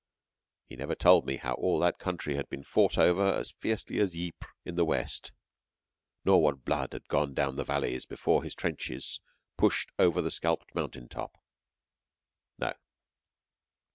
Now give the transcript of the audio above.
He never told me how all that country had been fought over as fiercely as Ypres in the West; nor what blood had gone down the valleys before his trenches pushed over the scalped mountain top. No.